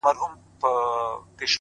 نه ښېرا نه کوم هغه څومره نازک زړه لري.